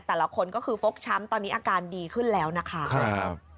แต่ละคนก็คือฟกช้ำตอนนี้อาการดีขึ้นแล้วนะคะครับ